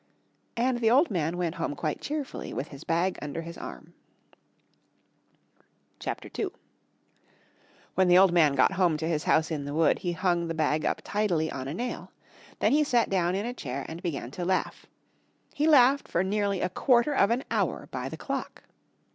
And the old man went home quite cheerfully with his bag under his arm. CHAPTER II. When the old man got home to his house in the wood he hung the bag up tidily on a nail. Then he sat down in a chair and began to laugh. He laughed for nearly a quarter of an hour by the clock.